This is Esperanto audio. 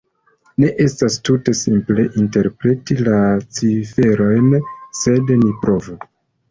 Ne estas tute simple interpreti la ciferojn, sed ni provu.